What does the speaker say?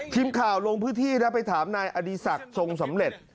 ทีมข่าวลงพื้นที่นะไปถามนายอดีศักดิ์ทรงสำเร็จ